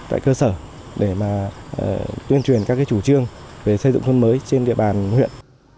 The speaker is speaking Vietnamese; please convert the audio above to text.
tại cơ sở để mà tuyên truyền các chủ trương về xây dựng nông thuận mới trên địa bàn huyện